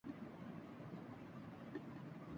ہماری جب اگلی حکومت آئے گی تو پاکستان